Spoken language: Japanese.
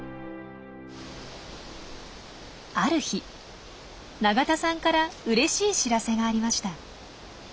ある日永田さんからうれしい知らせがありました。